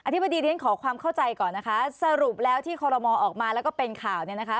ธิบดีเรียนขอความเข้าใจก่อนนะคะสรุปแล้วที่คอรมอออกมาแล้วก็เป็นข่าวเนี่ยนะคะ